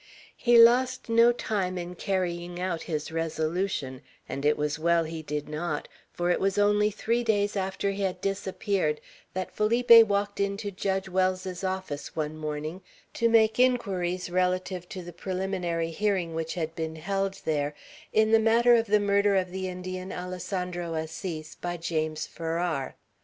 He lost no time in carrying out his resolution; and it was well he did not, for it was only three days after he had disappeared, that Felipe walked into Judge Wells's office, one morning, to make inquiries relative to the preliminary hearing which had been held there in the matter of the murder of the Indian, Alessandro Assis, by James Farrar.